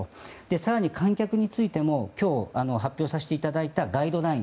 更に観客についても今日、発表させていただいたガイドライン。